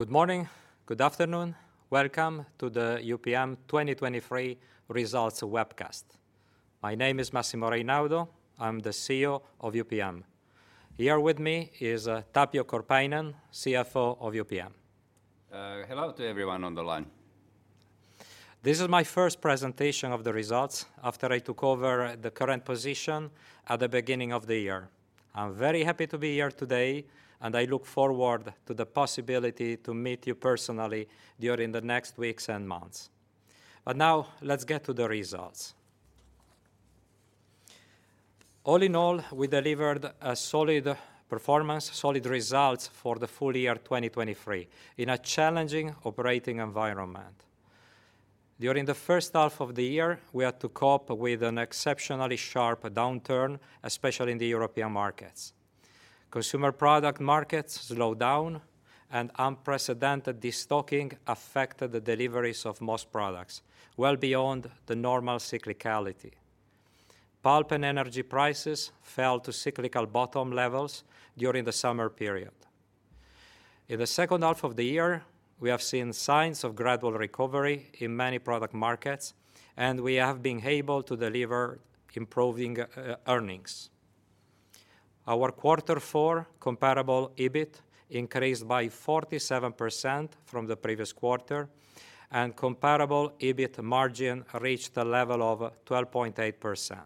Good morning. Good afternoon. Welcome to the UPM 2023 results webcast. My name is Massimo Reynaudo. I'm the CEO of UPM. Here with me is Tapio Korpeinen, CFO of UPM. Hello to everyone on the line. This is my first presentation of the results after I took over the current position at the beginning of the year. I'm very happy to be here today, and I look forward to the possibility to meet you personally during the next weeks and months. Now let's get to the results. All in all, we delivered a solid performance, solid results for the full year 2023, in a challenging operating environment. During the first half of the year, we had to cope with an exceptionally sharp downturn, especially in the European markets. Consumer product markets slowed down, and unprecedented destocking affected the deliveries of most products, well beyond the normal cyclicality. Pulp and energy prices fell to cyclical bottom levels during the summer period. In the second half of the year, we have seen signs of gradual recovery in many product markets, and we have been able to deliver improving earnings. Our quarter four comparable EBIT increased by 47% from the previous quarter, and comparable EBIT margin reached a level of 12.8%.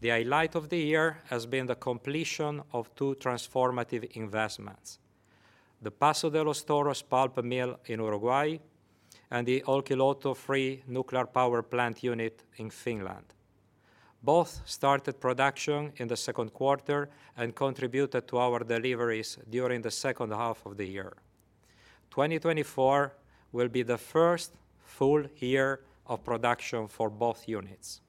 The highlight of the year has been the completion of two transformative investments: the Paso de los Toros pulp mill in Uruguay and the Olkiluoto 3 nuclear power plant unit in Finland. Both started production in the second quarter and contributed to our deliveries during the second half of the year. 2024 will be the first full year of production for both units.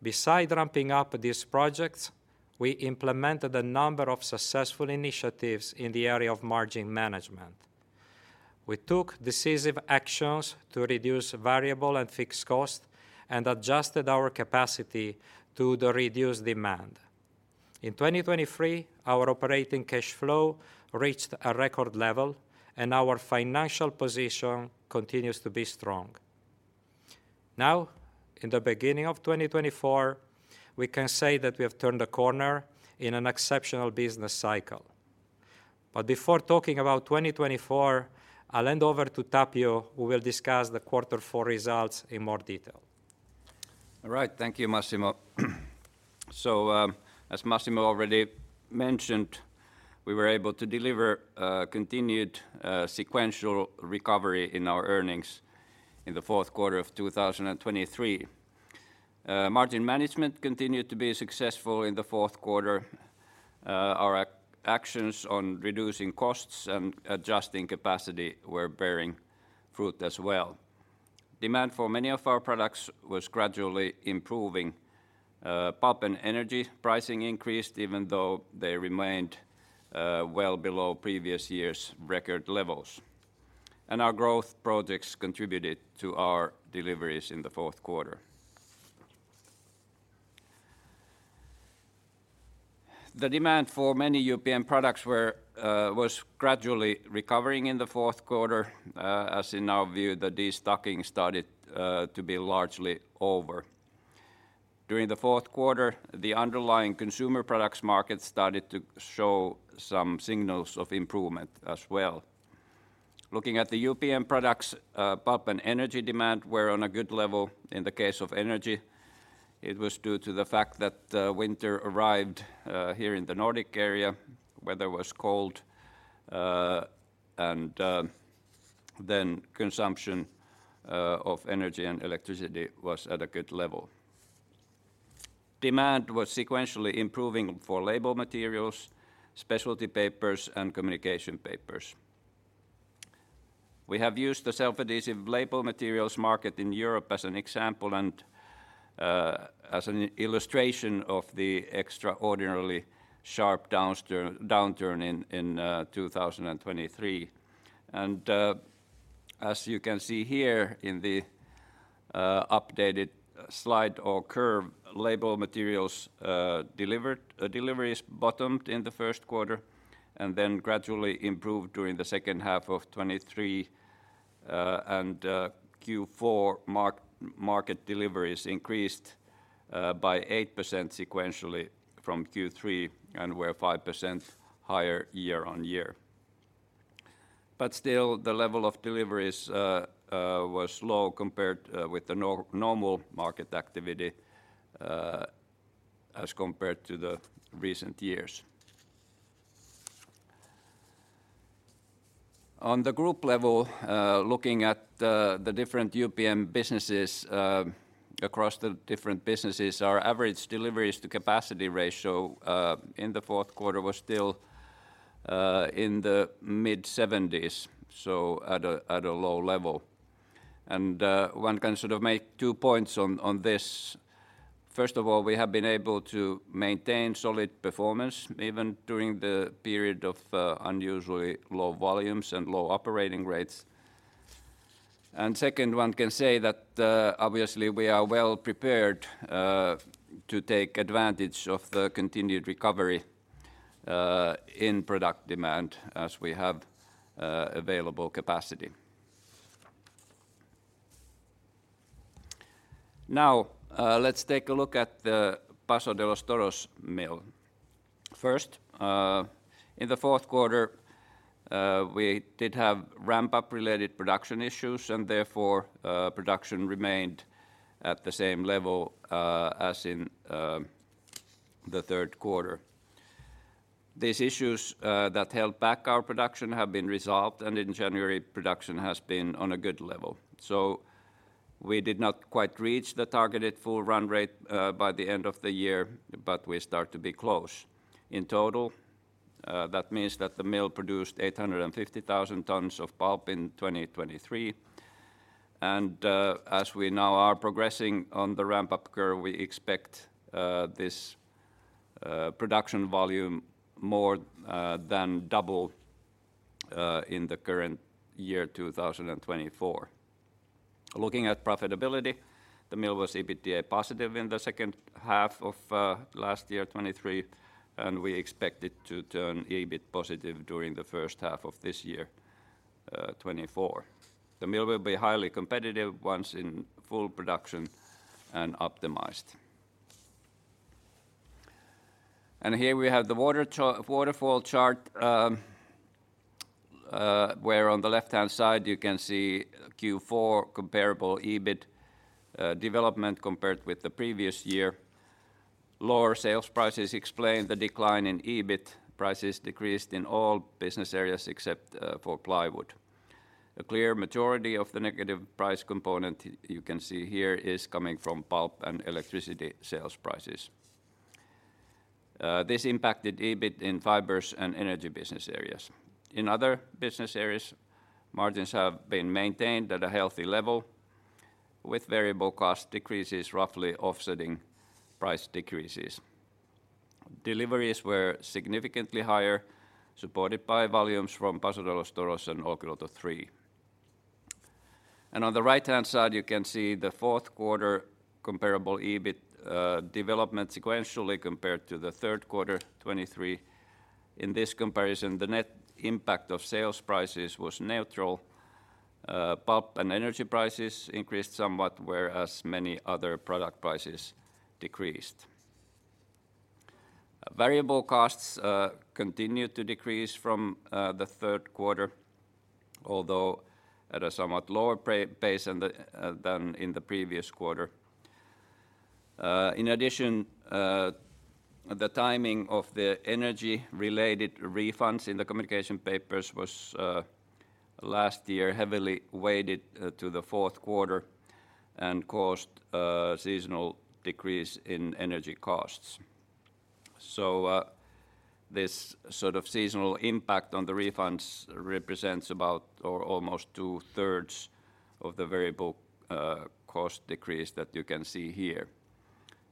Beside ramping up these projects, we implemented a number of successful initiatives in the area of margin management. We took decisive actions to reduce variable and fixed costs and adjusted our capacity to the reduced demand. In 2023, our operating cash flow reached a record level, and our financial position continues to be strong. Now, in the beginning of 2024, we can say that we have turned a corner in an exceptional business cycle. But before talking about 2024, I'll hand over to Tapio, who will discuss the quarter four results in more detail. All right. Thank you, Massimo. As Massimo already mentioned, we were able to deliver continued sequential recovery in our earnings in the fourth quarter of 2023. Margin management continued to be successful in the fourth quarter. Our actions on reducing costs and adjusting capacity were bearing fruit as well. Demand for many of our products was gradually improving. Pulp and energy pricing increased even though they remained well below previous year's record levels, and our growth projects contributed to our deliveries in the fourth quarter. The demand for many UPM products was gradually recovering in the fourth quarter, as in our view, the destocking started to be largely over. During the fourth quarter, the underlying consumer products market started to show some signals of improvement as well. Looking at the UPM products, pulp and energy demand were on a good level. In the case of energy, it was due to the fact that winter arrived here in the Nordic area. Weather was cold, and then consumption of energy and electricity was at a good level. Demand was sequentially improving for label materials, specialty papers, and communication papers. We have used the self-adhesive label materials market in Europe as an example and as an illustration of the extraordinarily sharp downturn in 2023. As you can see here in the updated slide or curve, label materials delivered deliveries bottomed in the first quarter and then gradually improved during the second half of 2023, and Q4 market deliveries increased by 8% sequentially from Q3 and were 5% higher year-on-year. But still, the level of deliveries was low compared with the normal market activity, as compared to the recent years. On the group level, looking at the different UPM businesses, across the different businesses, our average deliveries to capacity ratio in the fourth quarter was still in the mid-70s, so at a low level. And one can sort of make two points on this. First of all, we have been able to maintain solid performance, even during the period of unusually low volumes and low operating rates. And second one can say that, obviously we are well prepared to take advantage of the continued recovery in product demand as we have available capacity. Now, let's take a look at the Paso de los Toros mill. First, in the fourth quarter, we did have ramp-up related production issues, and therefore, production remained at the same level as in the third quarter. These issues that held back our production have been resolved, and in January, production has been on a good level. So we did not quite reach the targeted full run rate by the end of the year, but we start to be close. In total, that means that the mill produced 850,000 tons of pulp in 2023, and, as we now are progressing on the ramp-up curve, we expect this production volume more than double in the current year, 2024. Looking at profitability, the mill was EBITDA positive in the second half of last year, 2023, and we expect it to turn EBIT positive during the first half of this year, 2024. The mill will be highly competitive once in full production and optimized. And here we have the waterfall chart, where on the left-hand side, you can see Q4 comparable EBIT development compared with the previous year. Lower sales prices explain the decline in EBIT. Prices decreased in all business areas except for plywood. A clear majority of the negative price component you can see here is coming from pulp and electricity sales prices. This impacted EBIT in fibers and energy business areas. In other business areas, margins have been maintained at a healthy level, with variable cost decreases roughly offsetting price decreases. Deliveries were significantly higher, supported by volumes from Paso de los Toros and Olkiluoto 3. And on the right-hand side, you can see the fourth quarter comparable EBIT development sequentially compared to the third quarter, 2023. In this comparison, the net impact of sales prices was neutral. Pulp and energy prices increased somewhat, whereas many other product prices decreased. Variable costs continued to decrease from the third quarter, although at a somewhat lower pace than in the previous quarter. In addition, the timing of the energy-related refunds in the Communication Papers was last year heavily weighted to the fourth quarter and caused a seasonal decrease in energy costs. So, this sort of seasonal impact on the refunds represents about or almost two-thirds of the variable cost decrease that you can see here.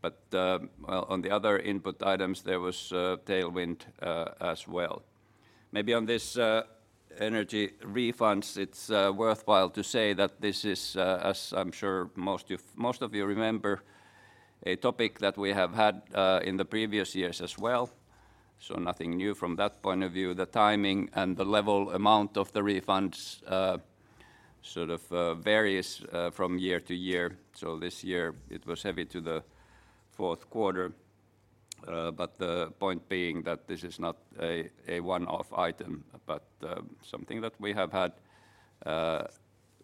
But, well, on the other input items, there was a tailwind as well. Maybe on this energy refunds, it's worthwhile to say that this is, as I'm sure most of you remember, a topic that we have had in the previous years as well, so nothing new from that point of view. The timing and the level amount of the refunds sort of varies from year to year. So this year it was heavy to the fourth quarter, but the point being that this is not a one-off item, but something that we have had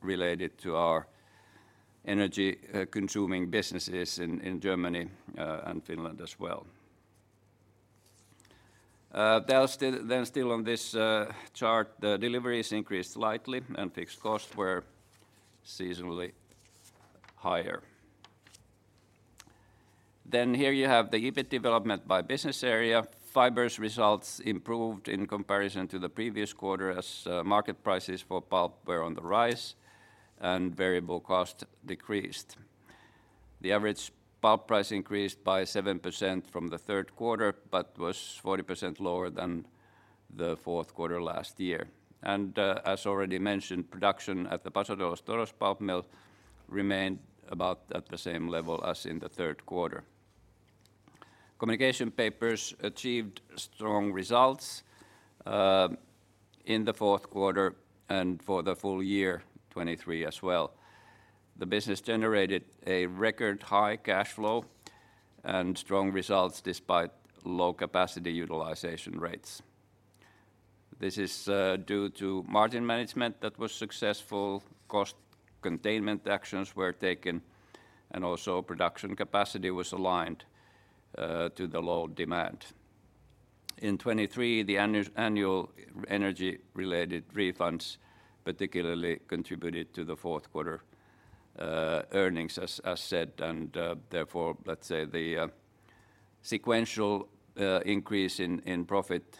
related to our energy consuming businesses in Germany and Finland as well. Then still on this chart, the deliveries increased slightly and fixed costs were seasonally higher. Then here you have the EBIT development by business area. Fibres results improved in comparison to the previous quarter as market prices for pulp were on the rise and variable cost decreased. The average pulp price increased by 7% from the third quarter, but was 40% lower than the fourth quarter last year. And as already mentioned, production at the Paso de los Toros pulp mill remained about at the same level as in the third quarter. Communication Papers achieved strong results in the fourth quarter and for the full year 2023 as well. The business generated a record-high cash flow and strong results despite low capacity utilization rates. This is due to margin management that was successful, cost containment actions were taken, and also production capacity was aligned to the low demand. In 2023, the annual energy-related refunds particularly contributed to the fourth quarter earnings, as said, and therefore, the sequential increase in profit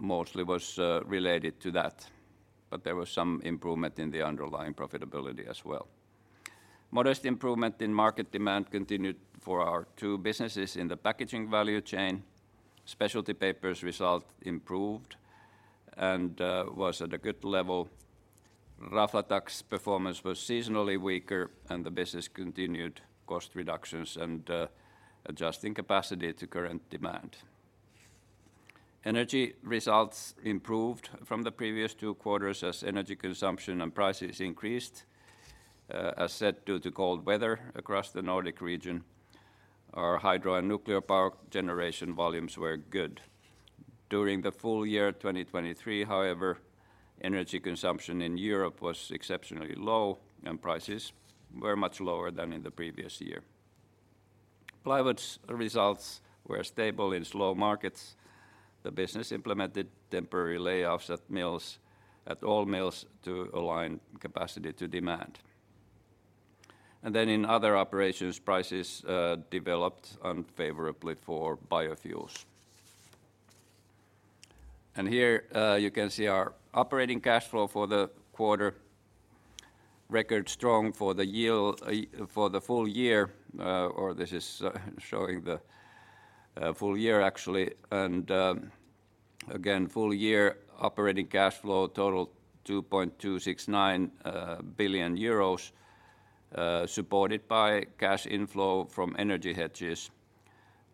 mostly was related to that, but there was some improvement in the underlying profitability as well. Modest improvement in market demand continued for our two businesses in the packaging value chain. Specialty Papers result improved and was at a good level. Raflatac's performance was seasonally weaker, and the business continued cost reductions and adjusting capacity to current demand. Energy results improved from the previous two quarters as energy consumption and prices increased, as said, due to cold weather across the Nordic region. Our hydro and nuclear power generation volumes were good. During the full year 2023, however, energy consumption in Europe was exceptionally low, and prices were much lower than in the previous year. Plywood's results were stable in slow markets. The business implemented temporary layoffs at mills, at all mills to align capacity to demand. And then in other operations, prices developed unfavorably for biofuels. And here, you can see our operating cash flow for the quarter, record strong for the year, for the full year, or this is showing the full year, actually. Again, full year operating cash flow totaled 2.269 billion euros, supported by cash inflow from energy hedges.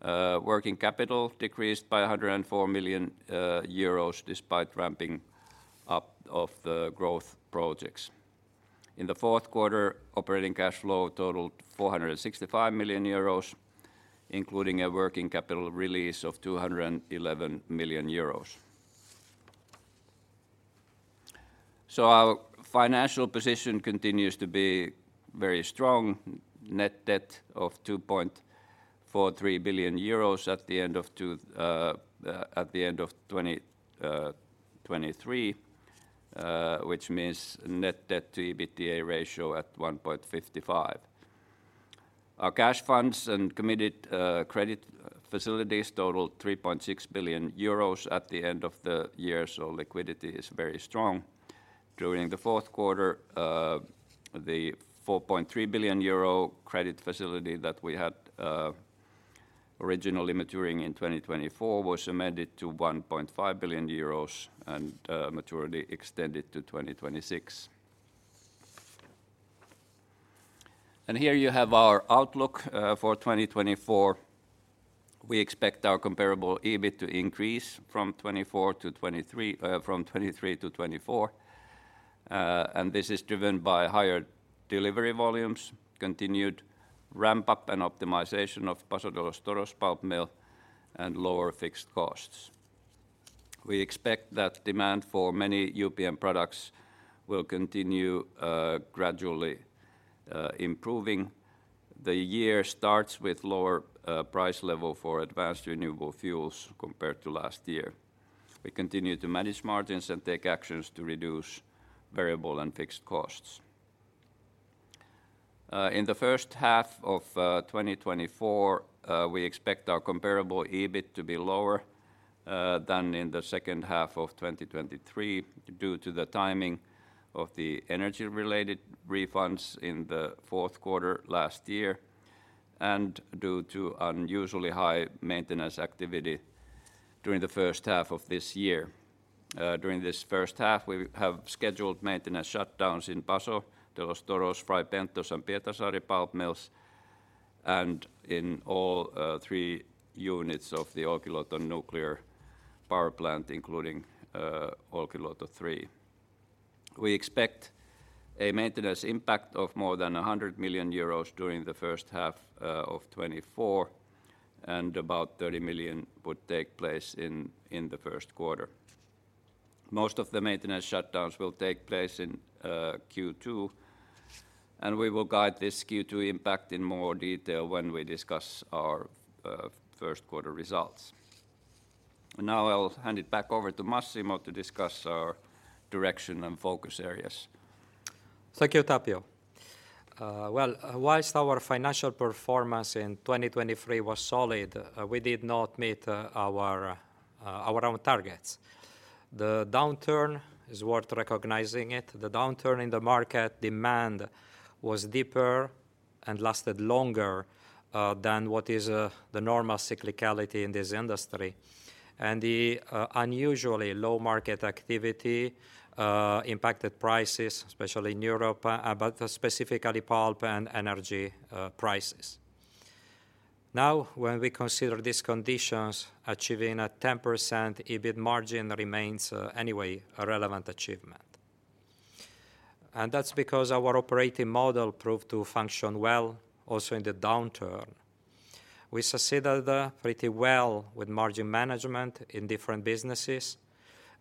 Working capital decreased by 104 million euros despite ramping up of the growth projects. In the fourth quarter, operating cash flow totaled 465 million euros, including a working capital release of 211 million euros. So our financial position continues to be very strong. Net debt of 2.43 billion euros at the end of 2023, which means net debt to EBITDA ratio at 1.55. Our cash funds and committed credit facilities totaled 3.6 billion euros at the end of the year, so liquidity is very strong. During the fourth quarter, the 4.3 billion euro credit facility that we had, originally maturing in 2024, was amended to 1.5 billion euros and, maturity extended to 2026. Here you have our outlook for 2024. We expect our comparable EBIT to increase, from 2023-2024, and this is driven by higher delivery volumes, continued ramp-up and optimization of Paso de los Toros pulp mill, and lower fixed costs. We expect that demand for many UPM products will continue gradually improving. The year starts with lower price level for advanced renewable fuels compared to last year. We continue to manage margins and take actions to reduce variable and fixed costs. In the first half of 2024, we expect our comparable EBIT to be lower than in the second half of 2023 due to the timing of the energy-related refunds in the fourth quarter last year and due to unusually high maintenance activity during the first half of this year. During this first half, we have scheduled maintenance shutdowns in Paso de los Toros, Fray Bentos, and Pietarsaari pulp mills, and in all three units of the Olkiluoto nuclear power plant, including Olkiluoto 3. We expect a maintenance impact of more than 100 million euros during the first half of 2024, and about 30 million would take place in the first quarter. Most of the maintenance shutdowns will take place in Q2, and we will guide this Q2 impact in more detail when we discuss our first quarter results. Now I'll hand it back over to Massimo to discuss our direction and focus areas. Thank you, Tapio. Well, while our financial performance in 2023 was solid, we did not meet our own targets. The downturn is worth recognizing it. The downturn in the market demand was deeper and lasted longer than what is the normal cyclicality in this industry. The unusually low market activity impacted prices, especially in Europe, but specifically pulp and energy prices. Now, when we consider these conditions, achieving a 10% EBIT margin remains anyway a relevant achievement, and that's because our operating model proved to function well also in the downturn. We succeeded pretty well with margin management in different businesses,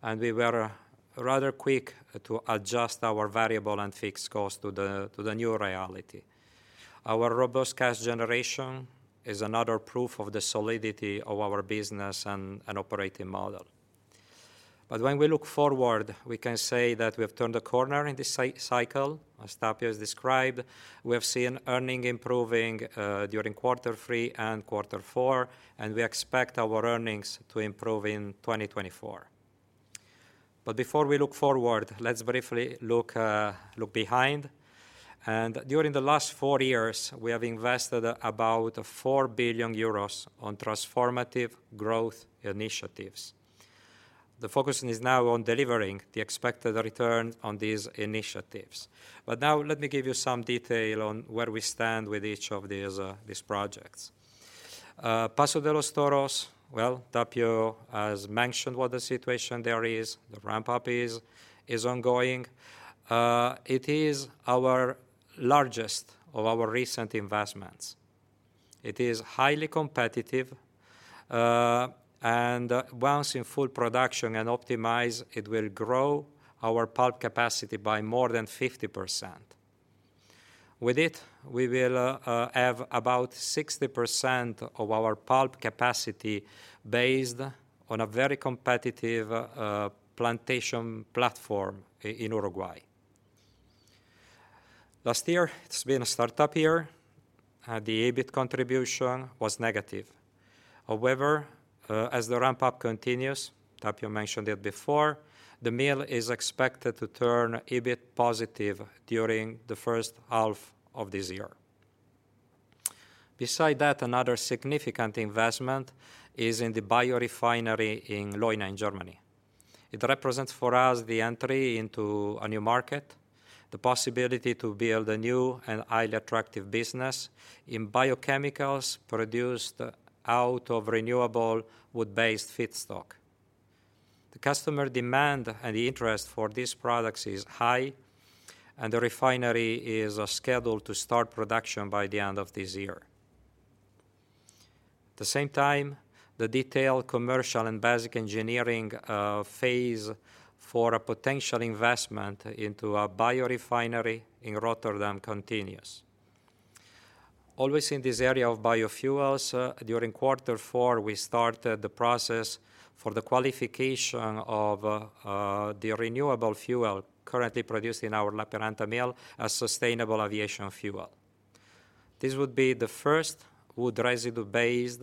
and we were rather quick to adjust our variable and fixed costs to the new reality. Our robust cash generation is another proof of the solidity of our business and operating model. But when we look forward, we can say that we have turned a corner in this cycle. As Tapio has described, we have seen earnings improving during quarter three and quarter four, and we expect our earnings to improve in 2024. But before we look forward, let's briefly look behind. During the last four years, we have invested about 4 billion euros on transformative growth initiatives. The focus is now on delivering the expected return on these initiatives. But now let me give you some detail on where we stand with each of these projects. Paso de los Toros, well, Tapio has mentioned what the situation there is. The ramp-up is ongoing. It is our largest of our recent investments. It is highly competitive, and once in full production and optimized, it will grow our pulp capacity by more than 50%. With it, we will have about 60% of our pulp capacity based on a very competitive plantation platform in Uruguay. Last year, it's been a start-up year, the EBIT contribution was negative. However, as the ramp-up continues, Tapio mentioned it before, the mill is expected to turn EBIT positive during the first half of this year. Besides that, another significant investment is in the biorefinery in Leuna, in Germany. It represents for us the entry into a new market, the possibility to build a new and highly attractive business in biochemicals produced out of renewable wood-based feedstock. The customer demand and interest for these products is high, and the refinery is scheduled to start production by the end of this year. At the same time, the detailed commercial and basic engineering phase for a potential investment into a biorefinery in Rotterdam continues. Always in this area of biofuels, during quarter four, we started the process for the qualification of the renewable fuel currently produced in our Lappeenranta mill as sustainable aviation fuel. This would be the first wood residue-based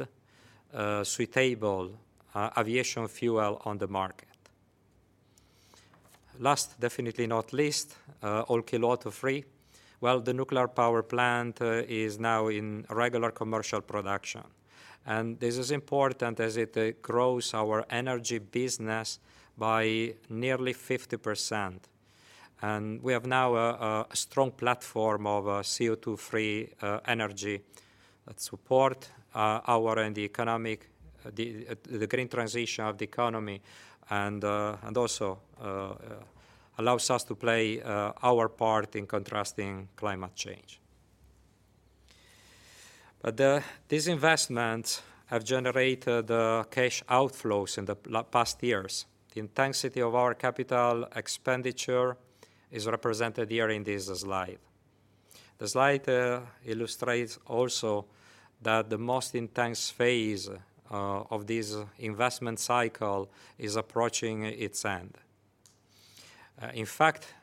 suitable aviation fuel on the market. Last, definitely not least, Olkiluoto 3. Well, the nuclear power plant is now in regular commercial production, and this is important as it grows our energy business by nearly 50%. And we have now a strong platform of CO2-free energy that support our and the economic the green transition of the economy, and also allows us to play our part in contrasting climate change. But these investments have generated cash outflows in the past years. The intensity of our capital expenditure is represented here in this slide. The slide illustrates also that the most intense phase of this investment cycle is approaching its end. In fact,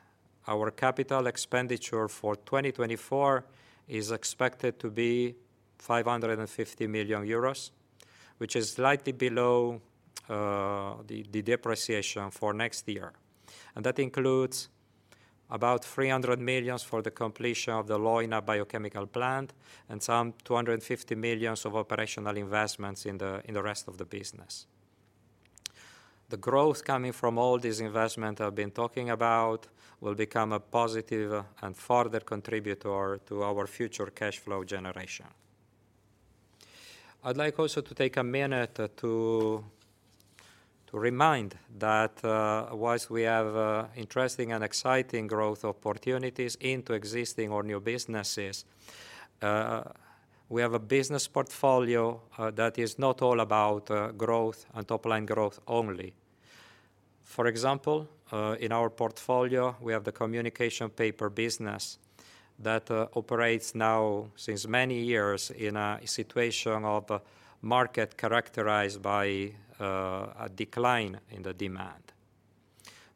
our capital expenditure for 2024 is expected to be 550 million euros, which is slightly below the depreciation for next year. And that includes about 300 million for the completion of the Leuna biochemical plant and some 250 million of operational investments in the rest of the business. The growth coming from all these investment I've been talking about will become a positive and further contributor to our future cash flow generation. I'd like also to take a minute to remind that, whilst we have interesting and exciting growth opportunities into existing or new businesses, we have a business portfolio that is not all about growth and top-line growth only. For example, in our portfolio, we have the communication papers business that operates now since many years in a situation of a market characterized by a decline in the demand.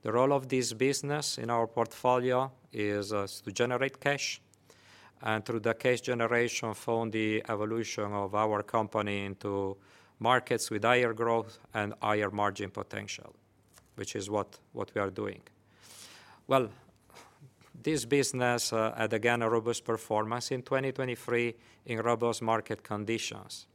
The role of this business in our portfolio is to generate cash, and through the cash generation, fund the evolution of our company into markets with higher growth and higher margin potential, which is what we are doing. Well, this business had again a robust performance in 2023 in robust market conditions.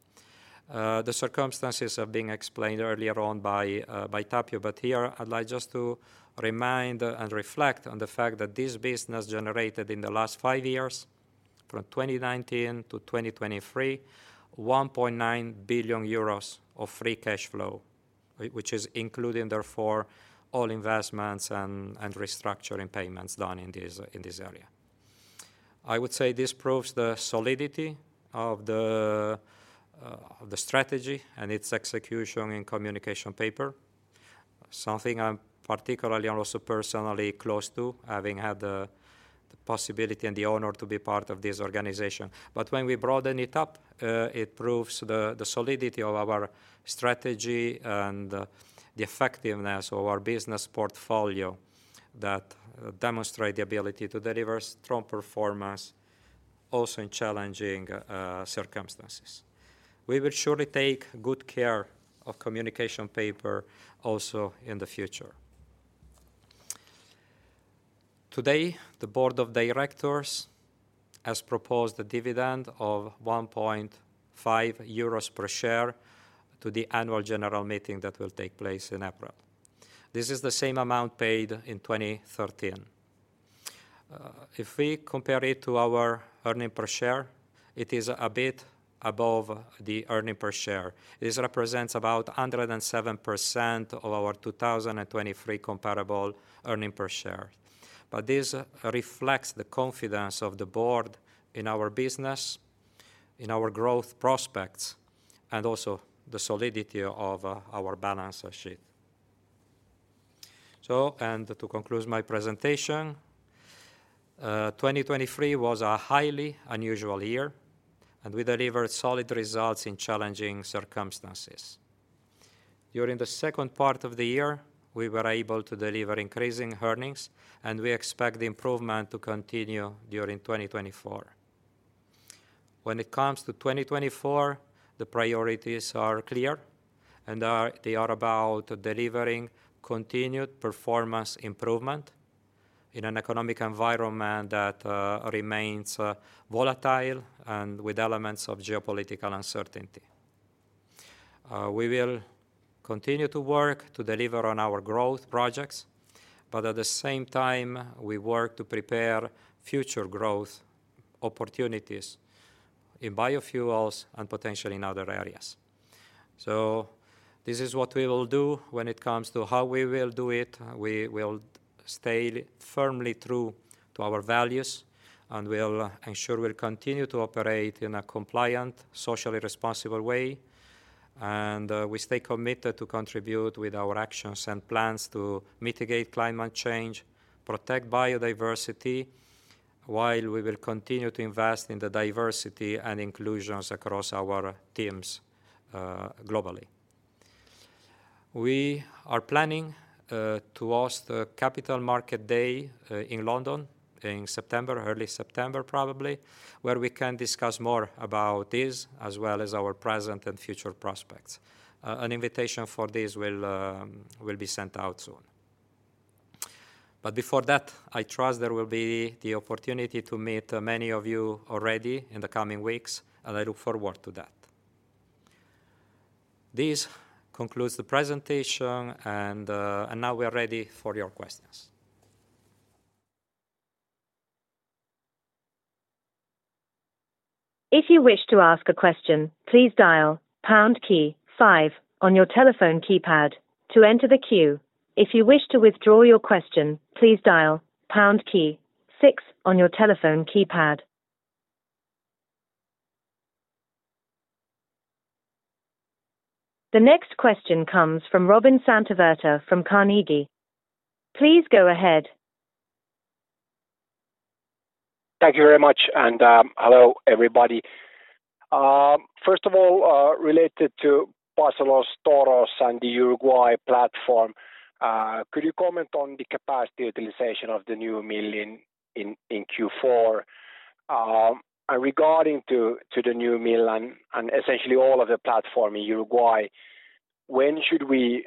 The circumstances have been explained earlier on by Tapio, but here I'd like just to remind and reflect on the fact that this business generated in the last five years, from 2019 to 2023, 1.9 billion euros of free cash flow, which is including, therefore, all investments and restructuring payments done in this area. I would say this proves the solidity of the strategy and its execution in communication paper, something I'm particularly and also personally close to, having had the possibility and the honor to be part of this organization. But when we broaden it up, it proves the solidity of our strategy and the effectiveness of our business portfolio that demonstrate the ability to deliver strong performance also in challenging circumstances. We will surely take good care of communication paper also in the future. Today, the Board of Directors has proposed a dividend of 1.5 euros per share to the Annual General Meeting that will take place in April. This is the same amount paid in 2013. If we compare it to our earnings per share, it is a bit above the earnings per share. This represents about 107% of our 2023 comparable earnings per share. But this reflects the confidence of the board in our business, in our growth prospects, and also the solidity of our balance sheet. So, and to conclude my presentation, 2023 was a highly unusual year, and we delivered solid results in challenging circumstances. During the second part of the year, we were able to deliver increasing earnings, and we expect the improvement to continue during 2024. When it comes to 2024, the priorities are clear, and they are about delivering continued performance improvement in an economic environment that remains volatile and with elements of geopolitical uncertainty. We will continue to work to deliver on our growth projects, but at the same time, we work to prepare future growth opportunities in biofuels and potentially in other areas. So this is what we will do. When it comes to how we will do it, we will stay firmly true to our values, and we'll ensure we'll continue to operate in a compliant, socially responsible way. We stay committed to contribute with our actions and plans to mitigate climate change, protect biodiversity, while we will continue to invest in the diversity and inclusions across our teams, globally. We are planning to host the Capital Markets Day in London in September, early September, probably, where we can discuss more about this, as well as our present and future prospects. An invitation for this will be sent out soon. But before that, I trust there will be the opportunity to meet many of you already in the coming weeks, and I look forward to that. This concludes the presentation, and now we are ready for your questions. If you wish to ask a question, please dial pound key five on your telephone keypad to enter the queue. If you wish to withdraw your question, please dial pound key six on your telephone keypad. The next question comes from Robin Santavirta from Carnegie. Please go ahead. Thank you very much, and hello, everybody. First of all, related to Paso de los Toros and the Uruguay platform, could you comment on the capacity utilization of the new mill in Q4? And regarding to the new mill and essentially all of the platform in Uruguay, when should we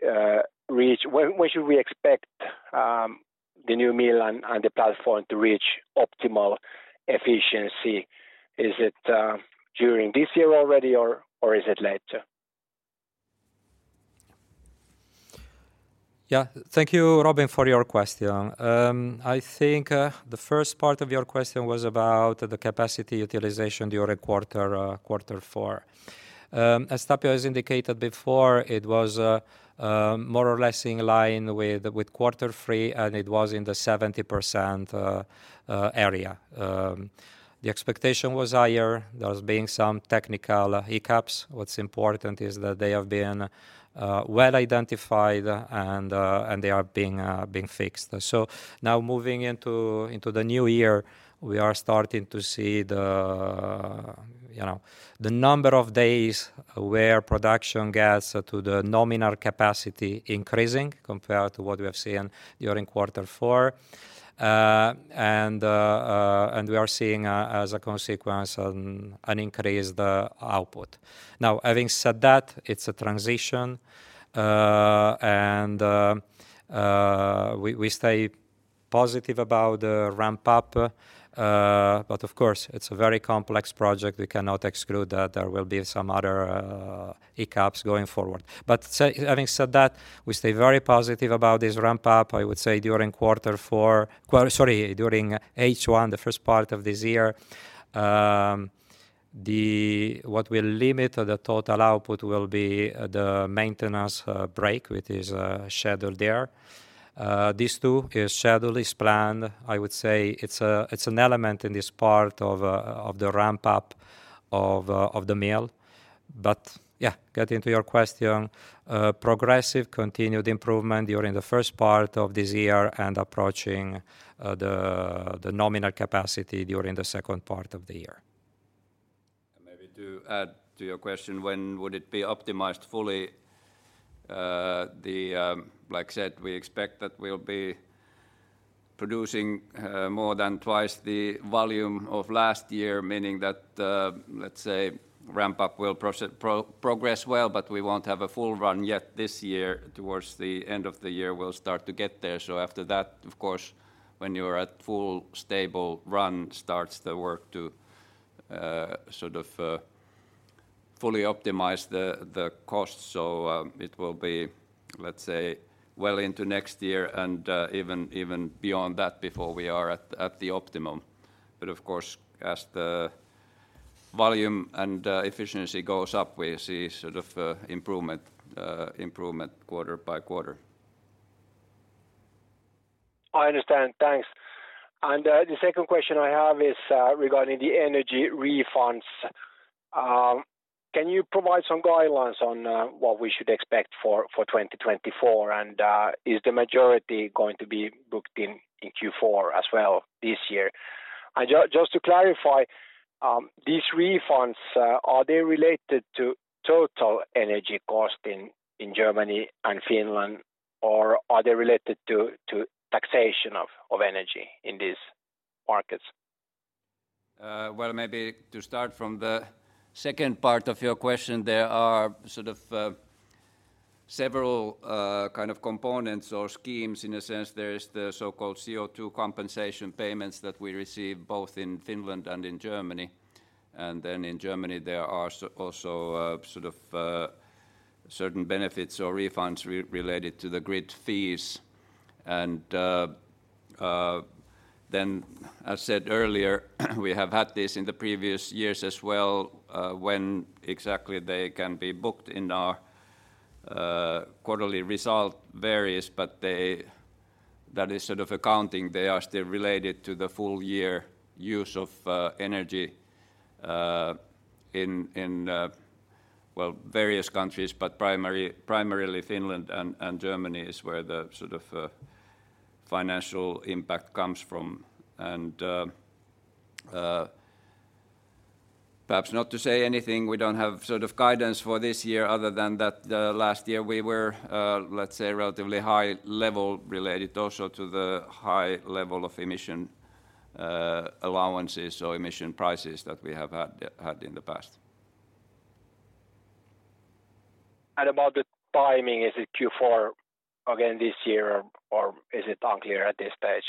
reach... When should we expect the new mill and the platform to reach optimal efficiency? Is it during this year already, or is it later? Yeah. Thank you, Robin, for your question. I think the first part of your question was about the capacity utilization during quarter four. As Tapio has indicated before, it was more or less in line with quarter three, and it was in the 70% area. The expectation was higher. There's been some technical hiccups. What's important is that they have been well identified, and they are being fixed. So now moving into the new year, we are starting to see you know the number of days where production gets to the nominal capacity increasing compared to what we have seen during quarter four. And we are seeing, as a consequence, an increased output. Now, having said that, it's a transition, and we stay positive about the ramp up, but of course, it's a very complex project. We cannot exclude that there will be some other hiccups going forward. But so, having said that, we stay very positive about this ramp up. I would say during H1, the first part of this year, what will limit the total output will be the maintenance break, which is scheduled there. This too is scheduled, planned. I would say it's an element in this part of the ramp-up of the mill. But yeah, get into your question, progressive, continued improvement during the first part of this year and approaching the nominal capacity during the second part of the year. Maybe to add to your question, when would it be optimized fully? Like I said, we expect that we'll be producing more than twice the volume of last year, meaning that, let's say, ramp up will progress well, but we won't have a full run yet this year. Towards the end of the year, we'll start to get there. So after that, of course, when you are at full stable run, starts the work to sort of fully optimize the cost. It will be, let's say, well into next year and even beyond that before we are at the optimum. But of course, as the volume and efficiency goes up, we see sort of improvement quarter by quarter. I understand. Thanks. And, the second question I have is, regarding the energy refunds. Can you provide some guidelines on, what we should expect for, for 2024? And, is the majority going to be booked in, in Q4 as well this year? And just to clarify, these refunds, are they related to total energy cost in, in Germany and Finland, or are they related to, to taxation of, of energy in these markets? Well, maybe to start from the second part of your question, there are sort of several kind of components or schemes in a sense. There is the so-called CO2 Compensation Payments that we receive both in Finland and in Germany. And then in Germany, there are also sort of certain benefits or refunds related to the grid fees. And then, as said earlier, we have had this in the previous years as well, when exactly they can be booked in our quarterly result varies, but they, that is sort of accounting. They are still related to the full year use of energy in well, various countries, but primarily Finland and Germany is where the sort of financial impact comes from. Perhaps not to say anything, we don't have sort of guidance for this year other than that, last year we were, let's say, relatively high level related also to the high level of emission allowances or emission prices that we have had in the past. About the timing, is it Q4 again this year, or, or is it unclear at this stage?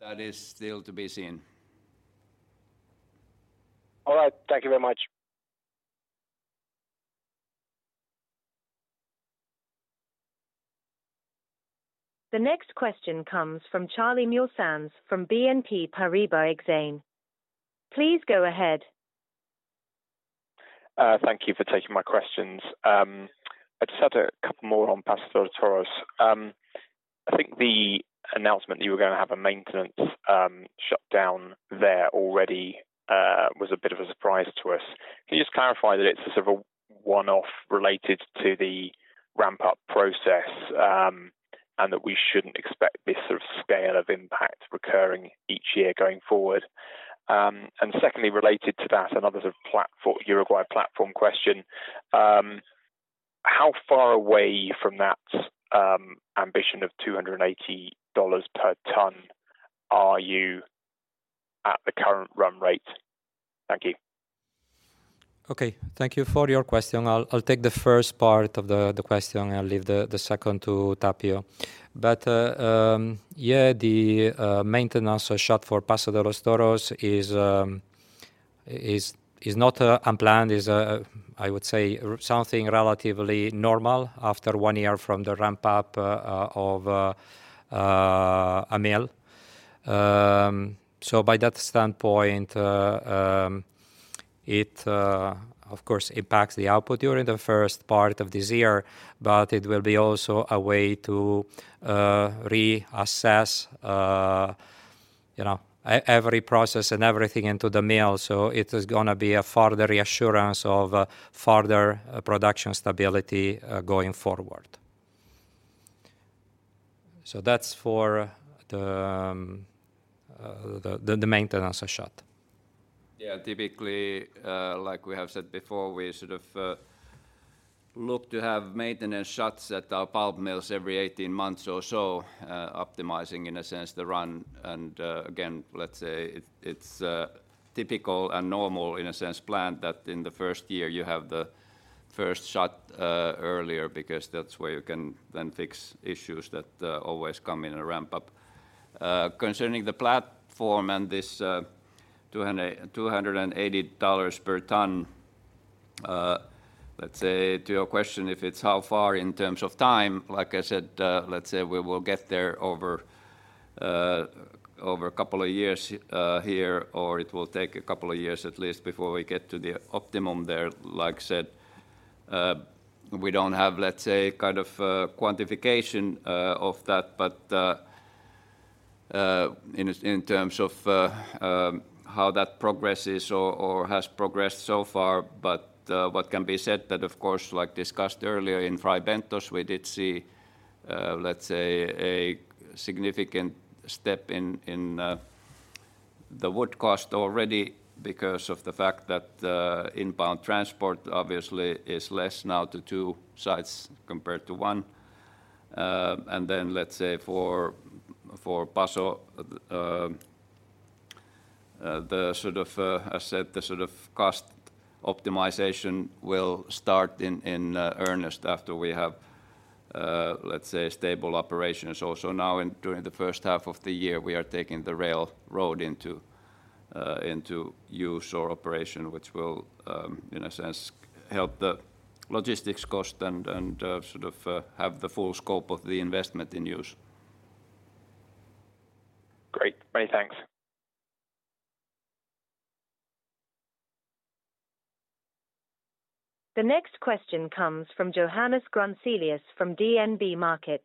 That is still to be seen. All right. Thank you very much. The next question comes from Charlie Muir-Sands from BNP Paribas Exane. Please go ahead. Thank you for taking my questions. I just had a couple more on Paso de los Toros. I think the announcement that you were gonna have a maintenance shutdown there already was a bit of a surprise to us. Can you just clarify that it's a sort of a one-off related to the ramp-up process, and that we shouldn't expect this sort of scale of impact recurring each year going forward? And secondly, related to that, another sort of platform, Uruguay platform question, how far away from that ambition of $280 per ton are you at the current run rate? Thank you. Okay, thank you for your question. I'll take the first part of the question, I'll leave the second to Tapio. But yeah, the maintenance or shut for Paso de los Toros is not unplanned, is I would say something relatively normal after one year from the ramp-up of a mill. So by that standpoint, it... Of course, it impacts the output during the first part of this year, but it will be also a way to reassess, you know, every process and everything into the mill. So it is gonna be a further reassurance of further production stability going forward. So that's for the maintenance shut. Yeah, typically, like we have said before, we sort of look to have maintenance shuts at our pulp mills every 18 months or so, optimizing, in a sense, the run. And again, let's say, it's typical and normal, in a sense, planned that in the first year, you have the first shut earlier, because that's where you can then fix issues that always come in a ramp-up. Concerning the platform and this $280 per ton, let's say, to your question, if it's how far in terms of time, like I said, let's say we will get there over a couple of years here, or it will take a couple of years at least before we get to the optimum there. Like I said, we don't have, let's say, kind of, quantification of that, but, in terms of, how that progresses or has progressed so far. But, what can be said that, of course, like discussed earlier in Fray Bentos, we did see, let's say, a significant step in the wood cost already because of the fact that, inbound transport obviously is less now to two sites compared to one. And then let's say for Paso, the sort of, I said, the sort of cost optimization will start in earnest after we have, let's say, stable operations. Also, now in during the first half of the year, we are taking the railroad into, into use or operation, which will, in a sense, help the logistics cost and, and, sort of, have the full scope of the investment in use. Great. Many thanks. The next question comes from Johannes Grunselius from DNB Markets.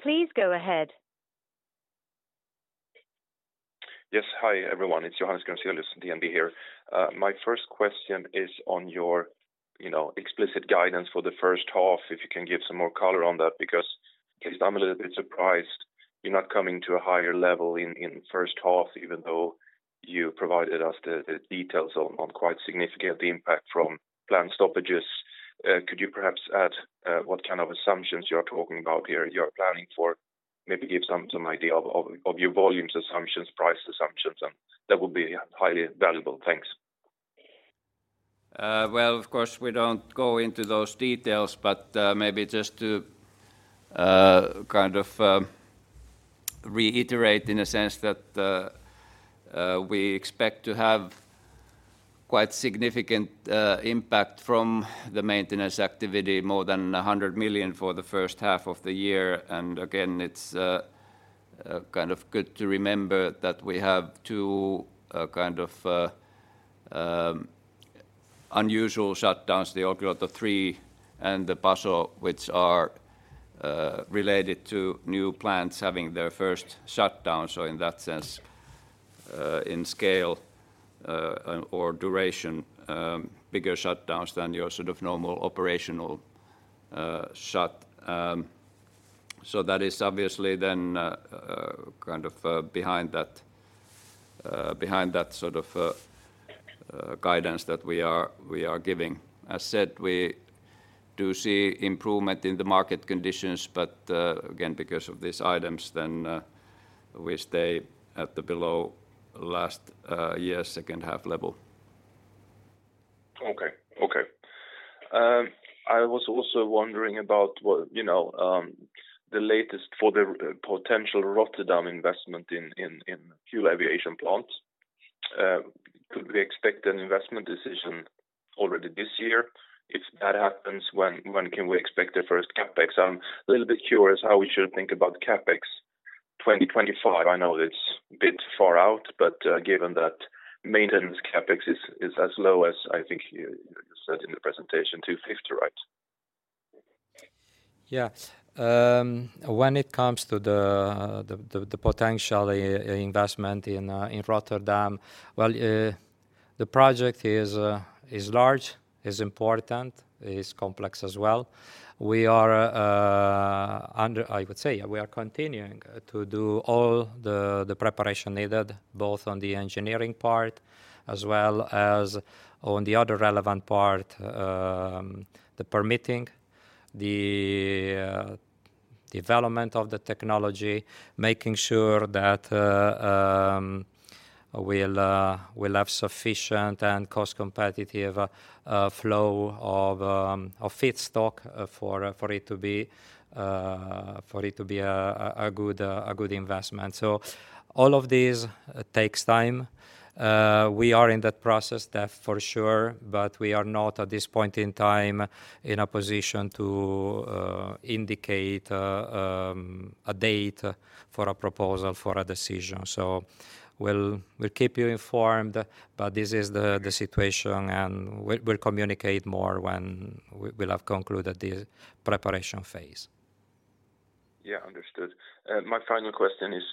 Please go ahead. Yes. Hi, everyone, it's Johannes Grunselius, DNB here. My first question is on your, you know, explicit guidance for the first half, if you can give some more color on that, because I'm a little bit surprised you're not coming to a higher level in first half, even though you provided us the details on quite significant impact from planned stoppages. Could you perhaps add what kind of assumptions you are talking about here, you are planning for? Maybe give some idea of your volumes assumptions, price assumptions, and that would be highly valuable. Thanks. Well, of course, we don't go into those details, but maybe just to kind of reiterate in a sense that we expect to have quite significant impact from the maintenance activity, more than 100 million for the first half of the year. And again, it's kind of good to remember that we have two kind of unusual shutdowns, the Olkiluoto 3 and the Paso de los Toros, which are related to new plants having their first shutdown. So in that sense, in scale or duration, bigger shutdowns than your sort of normal operational shut. So that is obviously then kind of behind that sort of guidance that we are giving. As said, we do see improvement in the market conditions, but again, because of these items, then we stay at the below last year's second half level. Okay. Okay. I was also wondering about what, you know, the latest for the potential Rotterdam investment in fuel aviation plants. Could we expect an investment decision already this year? If that happens, when can we expect the first CapEx? I'm a little bit curious how we should think about CapEx 2025. I know it's a bit far out, but given that maintenance CapEx is as low as I think you said in the presentation, EUR 250 million, right? Yeah. When it comes to the potential investment in Rotterdam, well, the project is large, is important, is complex as well. We are, I would say, we are continuing to do all the preparation needed, both on the engineering part as well as on the other relevant part, the permitting, the development of the technology, making sure that we'll have sufficient and cost competitive flow of feedstock for it to be a good investment. So all of these takes time. We are in that process, that for sure, but we are not, at this point in time, in a position to indicate a date for a proposal for a decision. So we'll keep you informed, but this is the situation, and we'll communicate more when we will have concluded the preparation phase. Yeah, understood. My final question is,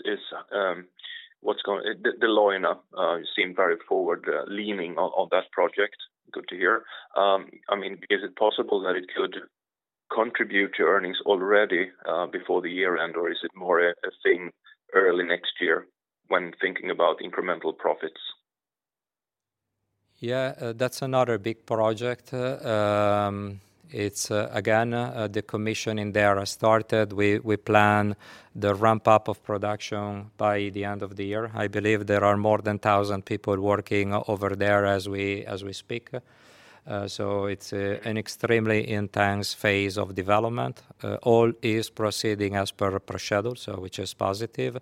what's going... The Leuna, you seem very forward leaning on that project. Good to hear. I mean, is it possible that it could contribute to earnings already before the year end, or is it more a thing early next year when thinking about incremental profits? Yeah, that's another big project. It's again the commissioning there started. We plan the ramp-up of production by the end of the year. I believe there are more than 1,000 people working over there as we speak. So it's an extremely intense phase of development. All is proceeding as per schedule, which is positive.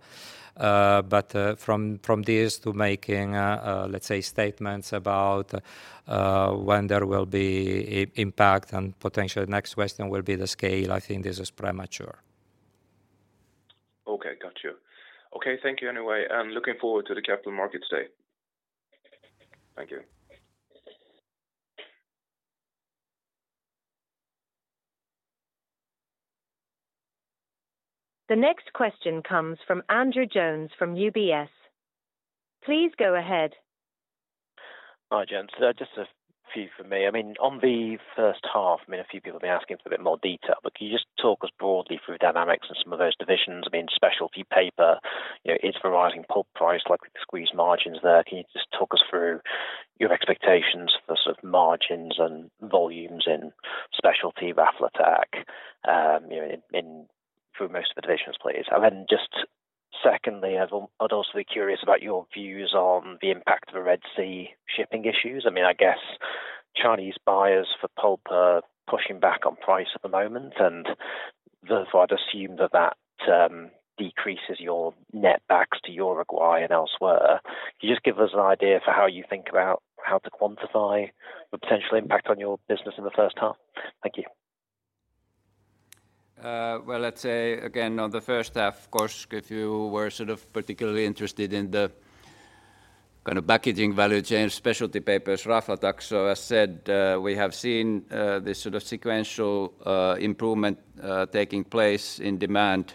But from this to making, let's say, statements about when there will be impact and the potential next question will be the scale, I think this is premature. Okay, got you. Okay, thank you anyway. I'm looking forward to the Capital Markets Day today. Thank you. The next question comes from Andrew Jones, from UBS. Please go ahead. Hi, gents. Just a few for me. I mean, on the first half, I mean, a few people have been asking for a bit more detail, but can you just talk us broadly through dynamics and some of those divisions? I mean, specialty paper, you know, it's rising pulp price, like we squeeze margins there. Can you just talk us through your expectations for sort of margins and volumes in specialty Raflatac, you know, in through most of the divisions, please? And then just secondly, I'd also be curious about your views on the impact of the Red Sea shipping issues. I mean, I guess Chinese buyers for pulp are pushing back on price at the moment, and therefore, I'd assume that decreases your net backs to Uruguay and elsewhere. Can you just give us an idea for how you think about how to quantify the potential impact on your business in the first half? Thank you. Well, let's say again, on the first half, of course, if you were sort of particularly interested in the kind of packaging value chain, specialty papers, Raflatac. So as said, we have seen this sort of sequential improvement taking place in demand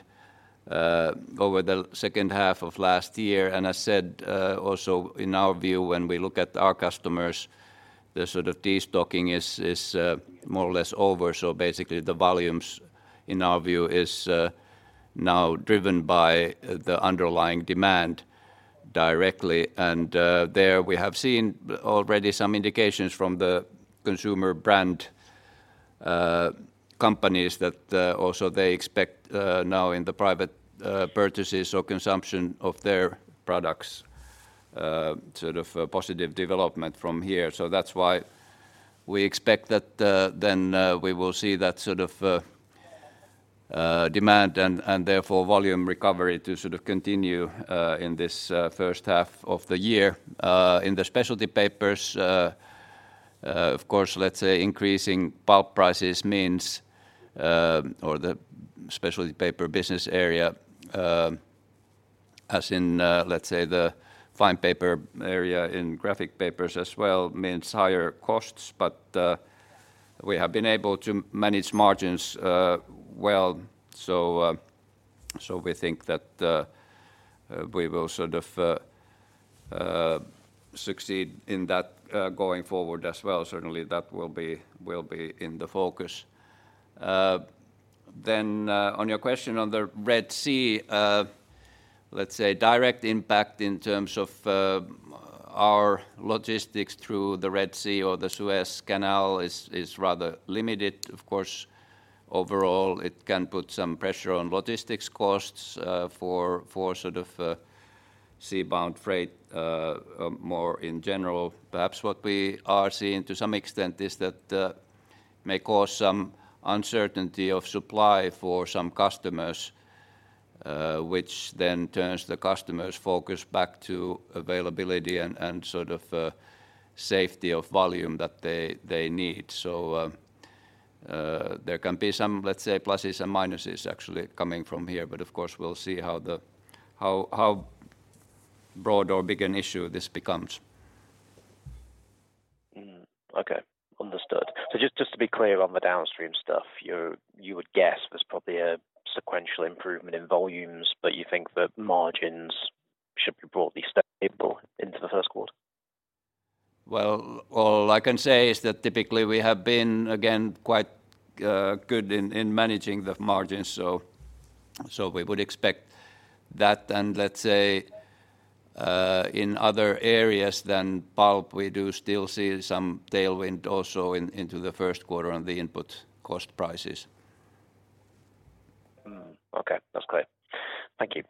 over the second half of last year. And I said also in our view, when we look at our customers, the sort of destocking is more or less over. So basically, the volumes in our view is now driven by the underlying demand directly. And there we have seen already some indications from the consumer brand companies that also they expect now in the private purchases or consumption of their products sort of a positive development from here. So that's why we expect that, then, we will see that sort of demand and therefore volume recovery to sort of continue in this first half of the year. In the specialty papers, of course, let's say increasing pulp prices means or the specialty paper business area, as in, let's say, the fine paper area in graphic papers as well, means higher costs, but we have been able to manage margins well. So we think that we will sort of succeed in that going forward as well. Certainly, that will be in the focus. Then, on your question on the Red Sea, let's say direct impact in terms of our logistics through the Red Sea or the Suez Canal is rather limited. Of course, overall, it can put some pressure on logistics costs for sort of sea-bound freight more in general. Perhaps what we are seeing to some extent is that may cause some uncertainty of supply for some customers, which then turns the customers' focus back to availability and sort of safety of volume that they need. So, there can be some, let's say, pluses and minuses actually coming from here, but of course, we'll see how broad or big an issue this becomes. Okay, understood. So just, just to be clear on the downstream stuff, you would guess there's probably a sequential improvement in volumes, but you think that margins should be broadly stable into the first quarter? Well, all I can say is that typically we have been, again, quite good in managing the margins, so we would expect that. And let's say, in other areas than pulp, we do still see some tailwind also into the first quarter on the input cost prices. Mm. Okay, that's clear. Thank you.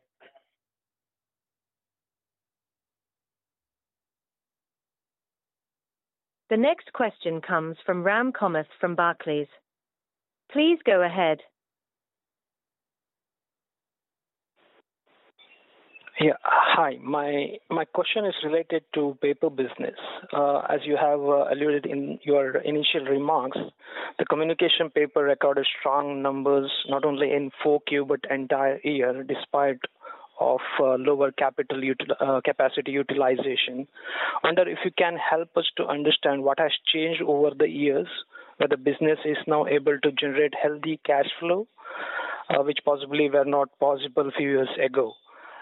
The next question comes from Ram Kamath from Barclays. Please go ahead. Yeah, hi. My, my question is related to paper business. As you have alluded in your initial remarks, the communication paper recorded strong numbers, not only in 4Q, but entire year, despite of lower capital util-- capacity utilization. I wonder if you can help us to understand what has changed over the years, that the business is now able to generate healthy cash flow, which possibly were not possible a few years ago.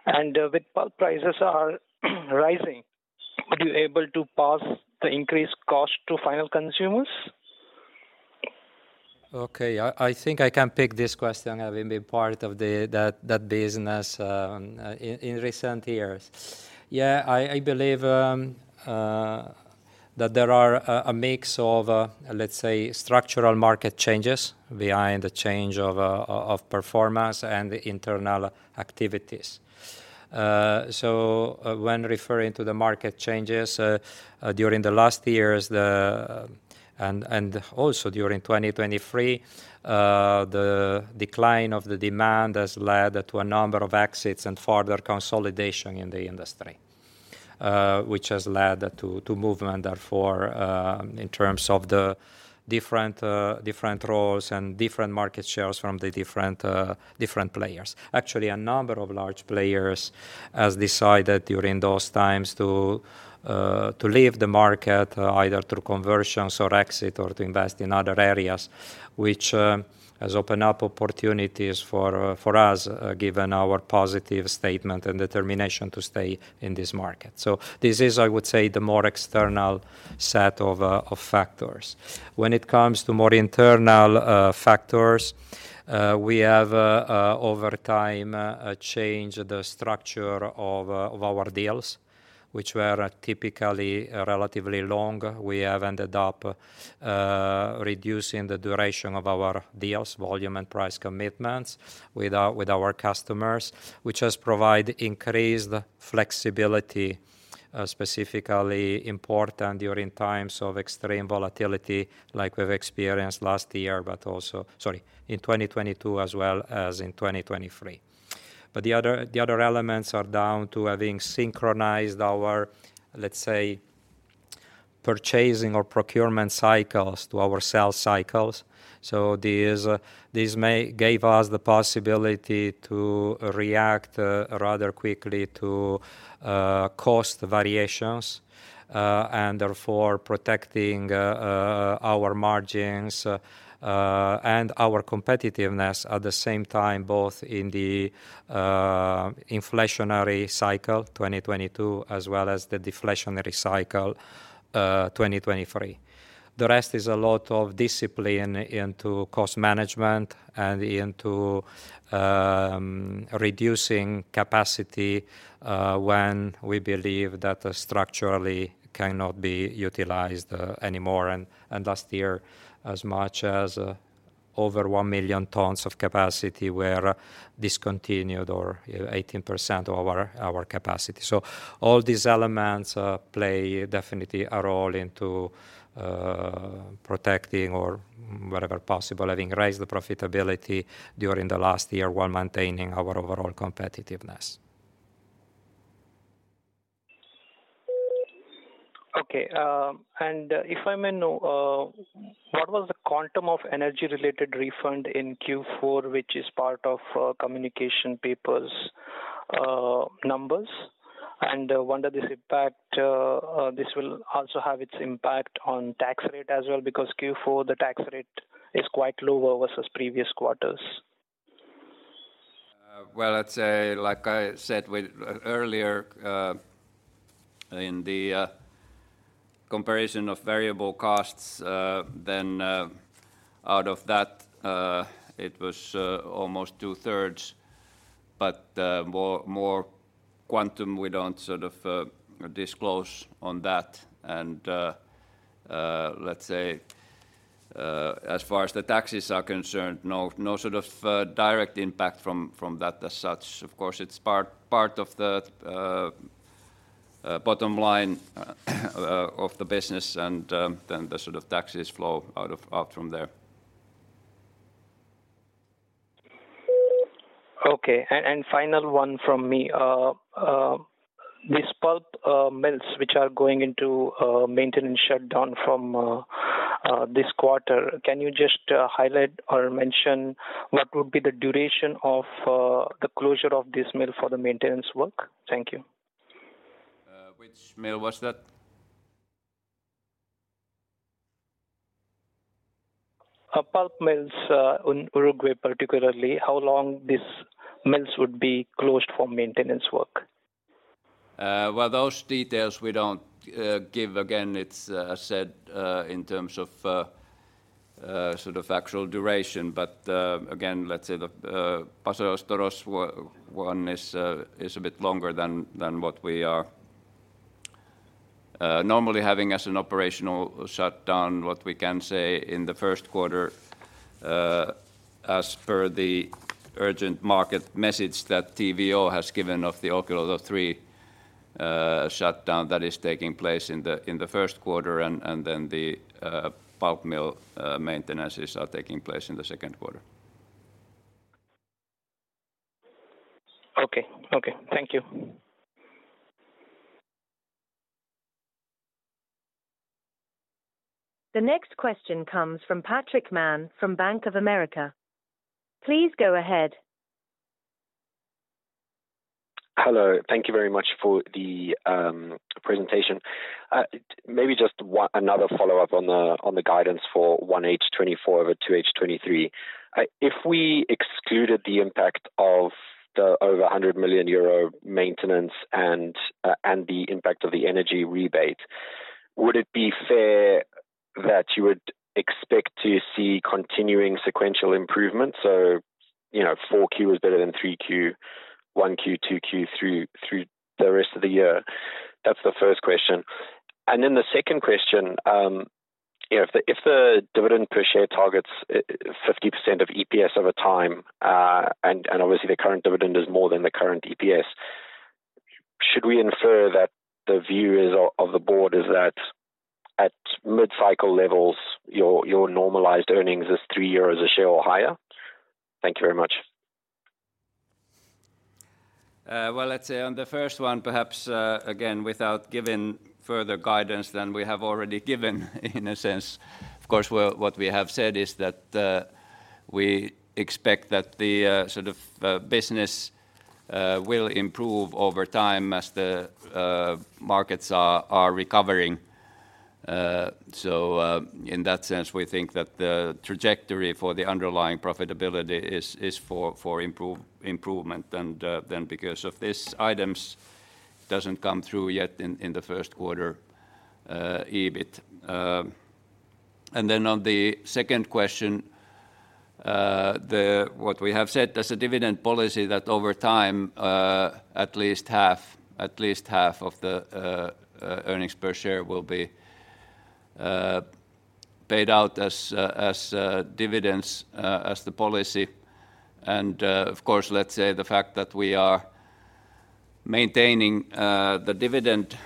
And, with pulp prices are rising, would you able to pass the increased cost to final consumers? Okay, I think I can pick this question, having been part of that business, in recent years. Yeah, I believe that there are a mix of, let's say, structural market changes behind the change of performance and the internal activities. So when referring to the market changes, during the last years, the... And also during 2023, the decline of the demand has led to a number of exits and further consolidation in the industry... which has led to movement therefore, in terms of the different roles and different market shares from the different players. Actually, a number of large players has decided during those times to to leave the market, either through conversions or exit, or to invest in other areas, which has opened up opportunities for for us, given our positive statement and determination to stay in this market. So this is, I would say, the more external set of of factors. When it comes to more internal factors, we have over time changed the structure of of our deals, which were typically relatively long. We have ended up reducing the duration of our deals, volume and price commitments with our with our customers, which has provide increased flexibility, specifically important during times of extreme volatility like we've experienced last year, but also, Sorry, in 2022 as well as in 2023. But the other elements are down to having synchronized our, let's say, purchasing or procurement cycles to our sales cycles. So this may gave us the possibility to react rather quickly to cost variations and therefore protecting our margins and our competitiveness at the same time, both in the inflationary cycle, 2022, as well as the deflationary cycle, 2023. The rest is a lot of discipline into cost management and into reducing capacity when we believe that structurally cannot be utilized anymore. And last year, as much as over 1,000,000 tons of capacity were discontinued or 18% of our capacity. So all these elements play definitely a role into protecting or wherever possible, having raised the profitability during the last year while maintaining our overall competitiveness. Okay, and if I may know, what was the quantum of energy-related refund in Q4, which is part of Communication Papers numbers? And wonder this impact, this will also have its impact on tax rate as well, because Q4, the tax rate is quite low versus previous quarters. Well, I'd say, like I said with earlier, in the comparison of variable costs, then out of that, it was almost two-thirds, but more quantum, we don't sort of disclose on that. And let's say, as far as the taxes are concerned, no sort of direct impact from that as such. Of course, it's part of the bottom line of the business and then the sort of taxes flow out of... out from there. Okay, and final one from me. These pulp mills which are going into maintenance shutdown from this quarter, can you just highlight or mention what would be the duration of the closure of this mill for the maintenance work? Thank you. Which mill was that? Pulp mills in Uruguay, particularly. How long these mills would be closed for maintenance work? Well, those details we don't give. Again, it's, I said, in terms of, sort of factual duration. But, again, let's say the Paso de los Toros is a bit longer than, than what we are, normally having as an operational shutdown. What we can say in the first quarter, as per the urgent market message that TVO has given of the Olkiluoto 3 shutdown that is taking place in the, in the first quarter, and, and then the, pulp mill, maintenances are taking place in the second quarter. Okay. Okay, thank you. The next question comes from Patrick Mann from Bank of America. Please go ahead. Hello, thank you very much for the presentation. Maybe just one another follow-up on the guidance for 1H 2024 over 2H 2023. If we excluded the impact of the over 100 million euro maintenance and the impact of the energy rebate, would it be fair that you would expect to see continuing sequential improvement? So, you know, 4Q is better than 3Q, 1Q, 2Q, through the rest of the year. That's the first question. And then the second question, if the dividend per share targets 50% of EPS over time, and obviously, the current dividend is more than the current EPS, should we infer that the view of the board is that at mid-cycle levels, your normalized earnings is 3 euros a share or higher? Thank you very much. Well, let's say on the first one, perhaps, again, without giving further guidance than we have already given, in a sense, of course, well, what we have said is that we expect that the sort of business will improve over time as the markets are recovering. So, in that sense, we think that the trajectory for the underlying profitability is for improvement, and then because of this, items doesn't come through yet in the first quarter EBIT. And then on the second question, what we have said, there's a dividend policy that over time, at least half of the earnings per share will be paid out as dividends, as the policy. Of course, let's say the fact that we are maintaining the dividend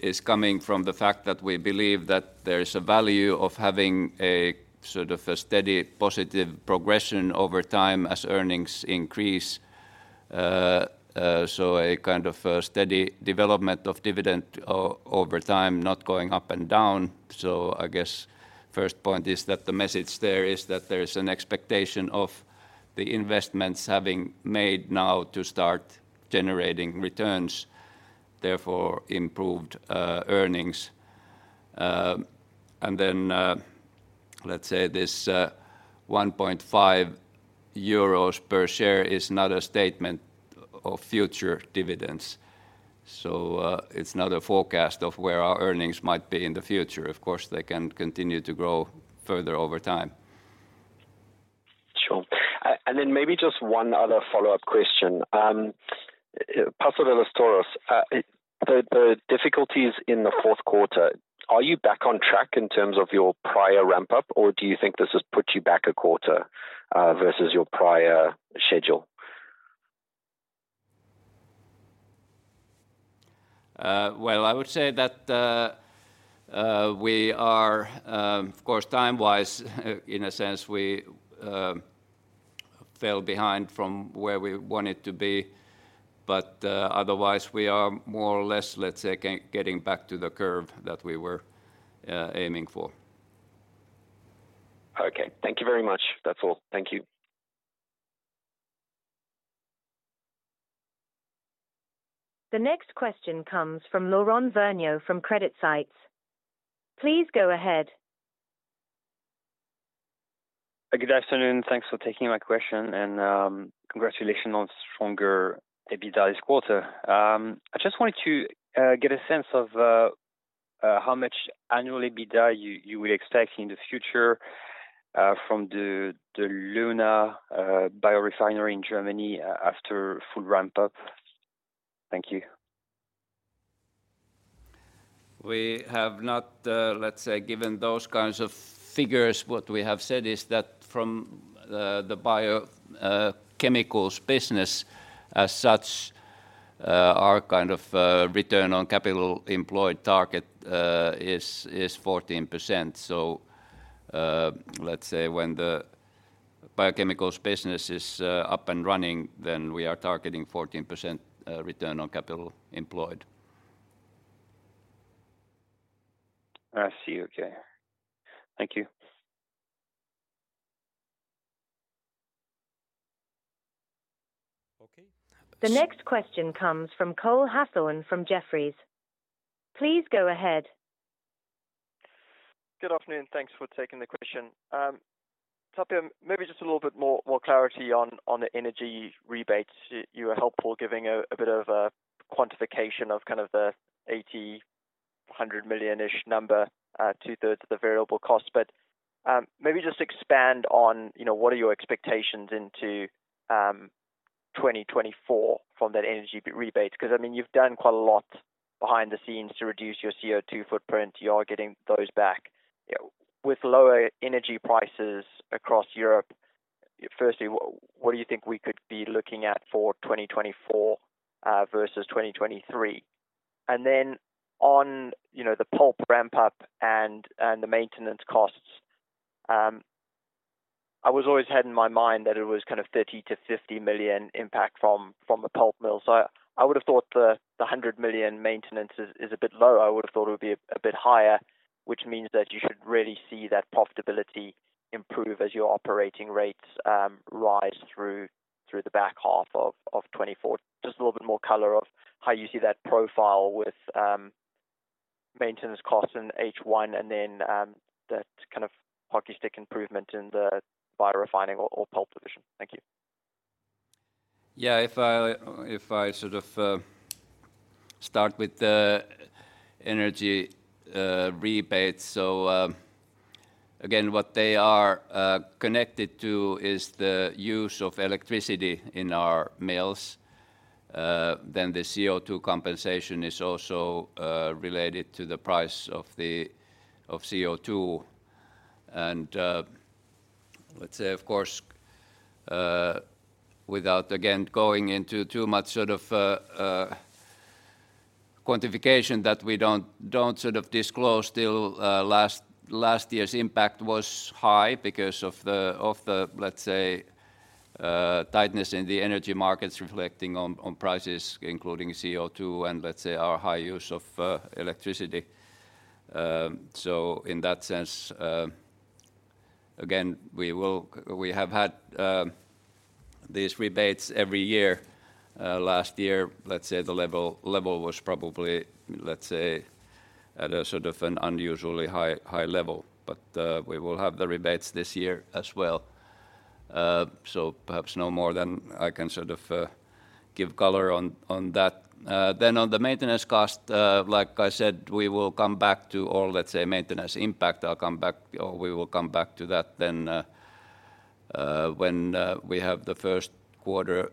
is coming from the fact that we believe that there is a value of having a sort of a steady, positive progression over time as earnings increase. So a kind of a steady development of dividend over time, not going up and down. So I guess first point is that the message there is that there is an expectation of the investments having made now to start generating returns, therefore improved earnings. And then, let's say this, 1.5 euros per share is not a statement of future dividends. So it's not a forecast of where our earnings might be in the future. Of course, they can continue to grow further over time. Sure. And then maybe just one other follow-up question. Paso de los Toros, the difficulties in the fourth quarter, are you back on track in terms of your prior ramp-up, or do you think this has put you back a quarter versus your prior schedule? Well, I would say that we are, of course, time-wise, in a sense, we fell behind from where we wanted to be. But, otherwise, we are more or less, let's say, getting back to the curve that we were aiming for. Okay, thank you very much. That's all. Thank you. The next question comes from Laurent Vergne from CreditSights. Please go ahead. Good afternoon. Thanks for taking my question, and congratulations on stronger EBITDA this quarter. I just wanted to get a sense of how much annual EBITDA you will expect in the future from the Leuna biorefinery in Germany after full ramp-up. Thank you. We have not, let's say, given those kinds of figures. What we have said is that from the biochemicals business as such, our kind of return on capital employed target is 14%. So, let's say when the biochemicals business is up and running, then we are targeting 14% return on capital employed. I see. Okay. Thank you. Okay. The next question comes from Cole Hathorn from Jefferies. Please go ahead. Good afternoon. Thanks for taking the question. Tapio, maybe just a little bit more clarity on the energy rebates. You were helpful giving a bit of a quantification of kind of the 80 million-100 million-ish number, two-thirds of the variable cost. But maybe just expand on, you know, what are your expectations into 2024 from that energy rebates? 'Cause, I mean, you've done quite a lot behind the scenes to reduce your CO2 footprint. You are getting those back. You know, with lower energy prices across Europe, firstly, what do you think we could be looking at for 2024 versus 2023? And then on, you know, the pulp ramp-up and the maintenance costs, I was always had in my mind that it was kind of 30 million-50 million impact from the pulp mill. So I would have thought the 100 million maintenance is a bit low. I would have thought it would be a bit higher, which means that you should really see that profitability improve as your operating rates rise through the back half of 2024. Just a little bit more color on how you see that profile with maintenance costs in H1 and then that kind of hockey stick improvement in the biorefinery or pulp division. Thank you. Yeah, if I, if I sort of, start with the energy, rebates. So, again, what they are, connected to is the use of electricity in our mills. Then the CO2 compensation is also, related to the price of the- of CO2. And, let's say, of course, without, again, going into too much sort of, quantification that we don't, don't sort of disclose till, last, last year's impact was high because of the, of the, let's say, tightness in the energy markets reflecting on, on prices, including CO2, and let's say, our high use of, electricity. So in that sense, again, we have had, these rebates every year. Last year, let's say the level, level was probably, let's say, at a sort of an unusually high, high level. But, we will have the rebates this year as well. So perhaps no more than I can sort of give color on that. Then on the maintenance cost, like I said, we will come back to, or let's say, maintenance impact. I'll come back, or we will come back to that then, when we have the first quarter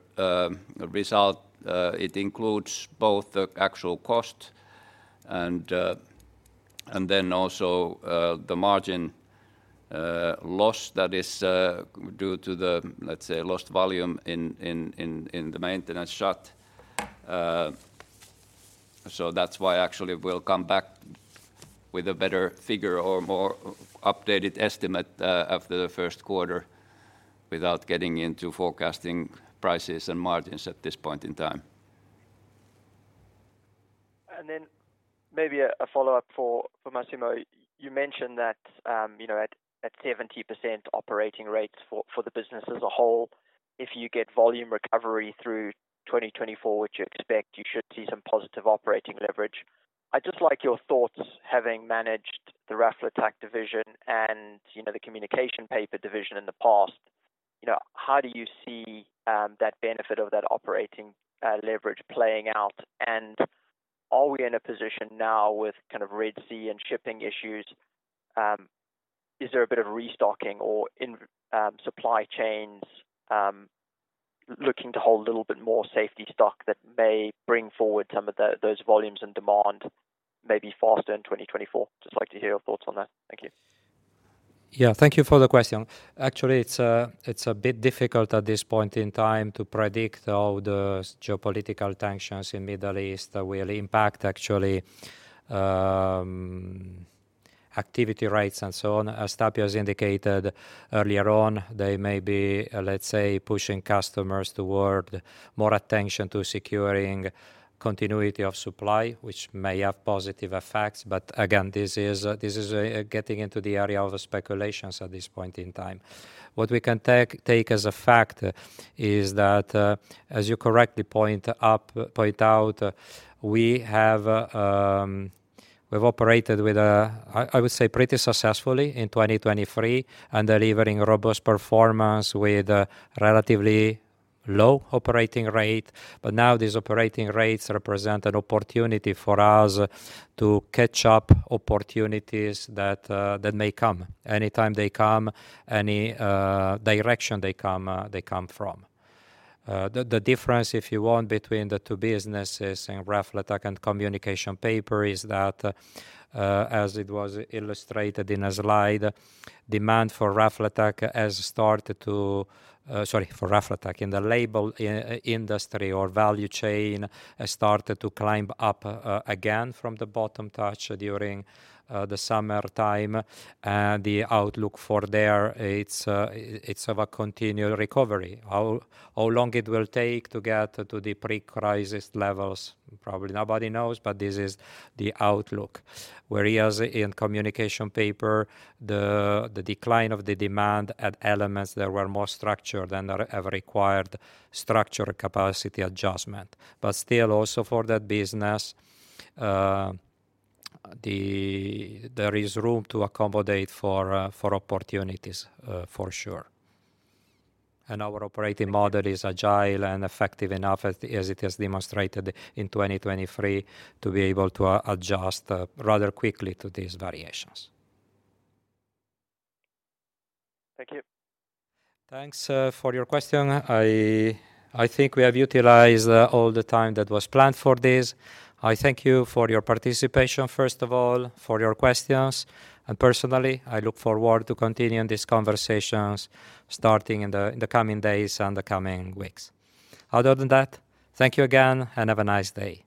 result. It includes both the actual cost and then also the margin loss that is due to the, let's say, lost volume in the maintenance shut. So that's why actually we'll come back with a better figure or more updated estimate after the first quarter, without getting into forecasting prices and margins at this point in time. And then maybe a follow-up for Massimo. You mentioned that, you know, at 70% operating rates for the business as a whole, if you get volume recovery through 2024, which you expect, you should see some positive operating leverage. I'd just like your thoughts, having managed the Raflatac division and, you know, the Communication Papers division in the past, you know, how do you see that benefit of that operating leverage playing out? And are we in a position now with kind of Red Sea and shipping issues, is there a bit of restocking or in supply chains looking to hold a little bit more safety stock that may bring forward some of those volumes and demand, maybe faster in 2024? Just like to hear your thoughts on that. Thank you. Yeah. Thank you for the question. Actually, it's, it's a bit difficult at this point in time to predict how the geopolitical tensions in Middle East will impact actually, activity rates and so on. As Tapio has indicated earlier on, they may be, let's say, pushing customers toward more attention to securing continuity of supply, which may have positive effects. But again, this is, this is, getting into the area of speculations at this point in time. What we can take as a fact is that, as you correctly point out, we have, we've operated with, I would say, pretty successfully in 2023, delivering robust performance with a relatively low operating rate. But now these operating rates represent an opportunity for us to catch up opportunities that may come, anytime they come, any direction they come, they come from. The difference, if you want, between the two businesses in Raflatac and Communication Paper is that, as it was illustrated in a slide, demand for Raflatac has started to... Sorry, for Raflatac in the label industry or value chain, has started to climb up again from the bottom touch during the summertime. And the outlook for there, it's of a continual recovery. How long it will take to get to the pre-crisis levels, probably nobody knows, but this is the outlook. Whereas in Communication Paper, the decline of the demand at elements that were more structured than are ever required, structural capacity adjustment. But still also for that business, there is room to accommodate for, for opportunities, for sure. And our operating model is agile and effective enough, as it has demonstrated in 2023, to be able to adjust rather quickly to these variations. Thank you. Thanks for your question. I think we have utilized all the time that was planned for this. I thank you for your participation, first of all, for your questions. Personally, I look forward to continuing these conversations, starting in the coming days and the coming weeks. Other than that, thank you again, and have a nice day.